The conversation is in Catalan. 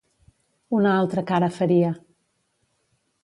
Una altra cara faria.